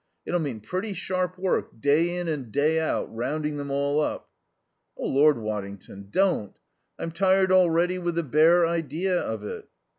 It'll mean pretty sharp work, day in and day out, rounding them all up." "Oh, Lord, Waddington, don't. I'm tired already with the bare idea of it."